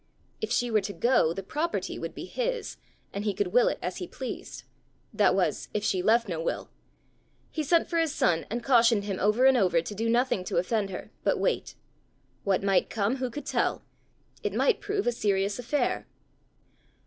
If she were to go, the property would be his, and he could will it as he pleased that was, if she left no will. He sent for his son and cautioned him over and over to do nothing to offend her, but wait: what might come, who could tell! It might prove a serious affair!